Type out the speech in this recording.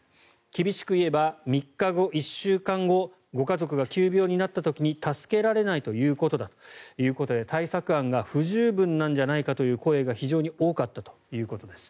厳しく言えば３日後、１週間後ご家族が急病になった時に助けられないということだということで対策案が不十分なんじゃないかという声が非常に多かったということです。